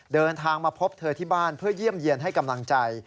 เดินทางมาพบเธอที่บ้านเพื่อเยี่ยมเยี่ยนให้กำลังใจ